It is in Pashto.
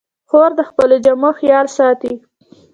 خور د خپلو جامو خیال ساتي.